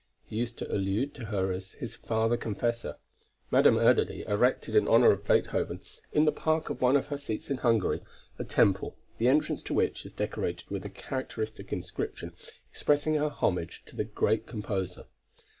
He used to allude to her as his father confessor. Madame Erdödy erected in honor of Beethoven, in the park of one of her seats in Hungary, a temple, the entrance to which is decorated with a characteristic inscription expressing her homage to the great composer.